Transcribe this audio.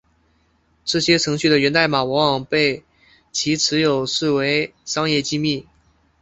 这些程序的源代码往往被其持有者视为商业机密。